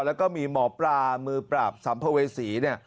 แล้วก็มีหมอปลามือปราบสัมภเวษีเนี่ย